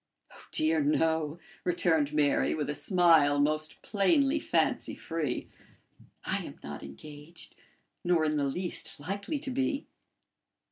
"Oh, dear, no!" returned Mary, with a smile most plainly fancy free. "I am not engaged, nor in the least likely to be."